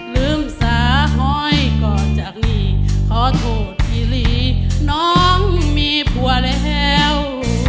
ลืมสาหอยก่อนจากนี้ขอโทษอีลีน้องมีผัวแล้ว